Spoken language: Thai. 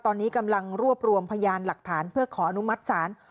ตอนนี้กำลังรวบรวมพยานหลักฐานเพื่อขออนุมัติศาล